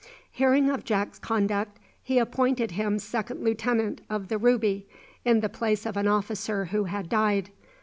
Hearing of Jack's conduct, he appointed him second lieutenant of the "Ruby," in the place of an officer who had died.